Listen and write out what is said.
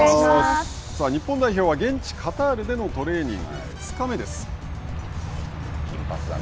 さあ、日本代表は現地カタールでのトレーニング２日目です。